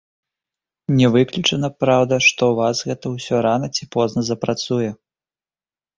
Не выключана, праўда, што ў вас гэта усё рана ці позна запрацуе.